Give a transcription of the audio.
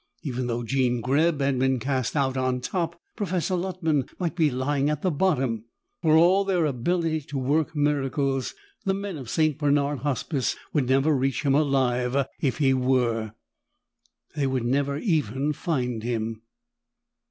Even though Jean Greb had been cast out on top, Professor Luttman might be lying at the bottom. For all their ability to work miracles, the men of St. Bernard Hospice would never reach him alive if he were. They would never even find him.